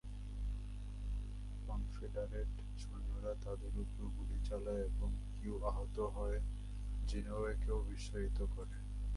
Confederate সৈন্যরা তাদের উপর গুলি চালায় এবং কিউ আহত হয় - জেনওয়েকে বিস্মিত করে।